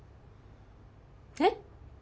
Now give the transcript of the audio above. えっ？